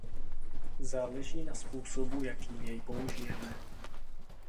Záleží na způsobu jakým jej použijeme.